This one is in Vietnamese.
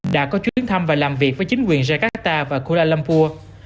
đã có chuyến thăm và làm việc với chính quyền jakarta và kuala lumpur